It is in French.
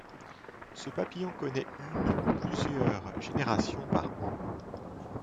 Ce papillon connaît une ou plusieurs générations par an.